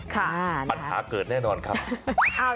ปัญหาเกิดแน่นอนครับ